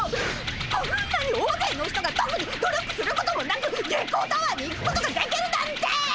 こんなに大勢の人がとくに努力することもなく月光タワーに行くことができるなんて！